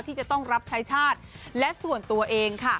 ที่จะต้องรับใช้ชาติและส่วนตัวเองค่ะ